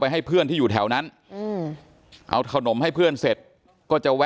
ไปทำแผนจุดเริ่มต้นที่เข้ามาที่บ่อนที่พระราม๓ซอย๖๖เลยนะครับทุกผู้ชมครับ